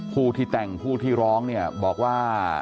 ผู้ที่แต่งผู้ที่ร้องเนี่ยบอกว่า